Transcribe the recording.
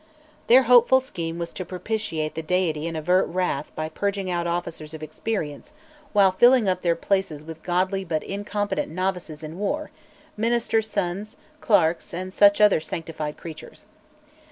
Their hopeful scheme was to propitiate the Deity and avert wrath by purging out officers of experience, while filling up their places with godly but incompetent novices in war, "ministers' sons, clerks, and such other sanctified creatures."